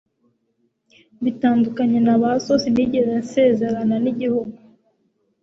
bitandukanye na ba so, sinigeze nsezerana n'igihugu